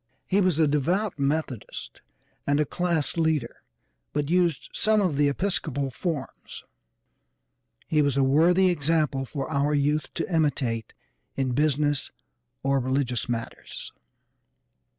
He was a devout Methodist, and a class leader, but used some of the Episcopal forms. He was a worthy example for our youth to imitate in business or religious matters.